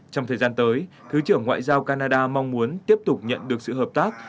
trong thời gian tới thứ trưởng ngoại giao canada mong muốn tiếp tục nhận được sự hợp tác